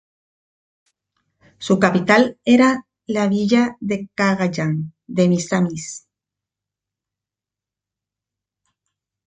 Su capital era la villa de Cagayán de Misamis.